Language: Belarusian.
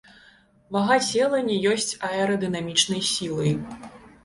Вага цела не ёсць аэрадынамічнай сілай.